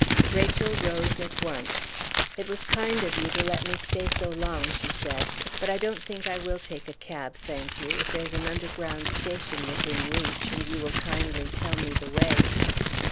Rachel rose at once. "It was kind of you to let me stay so long," she said. "But I don't think I will take a cab, thank you, if there's an underground station within reach, and you will kindly tell me the way."